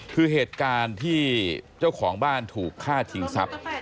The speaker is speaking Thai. คือเหตุการณ์ที่เจ้าของบ้านถูกฆ่าชิงทรัพย์